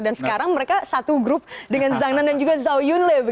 dan sekarang mereka satu grup dengan zhang nan dan juga zhao yunle